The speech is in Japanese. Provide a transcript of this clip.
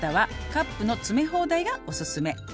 「カップの詰め放題がオススメ」